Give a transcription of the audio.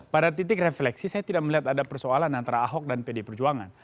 pada titik refleksi saya tidak melihat ada persoalan antara ahok dan pd perjuangan